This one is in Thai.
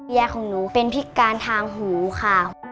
ของหนูเป็นพิการทางหูค่ะ